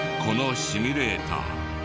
このシミュレーター